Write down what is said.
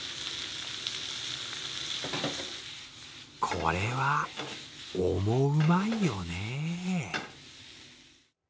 これは、重うまいよね。